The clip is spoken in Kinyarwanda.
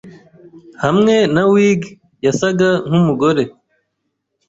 Hamwe na wig, yasaga nkumugore.